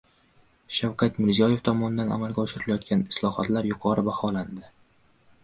Shavkat Mirziyoev tomonidan amalga oshirilayotgan islohotlar yuqori baholandi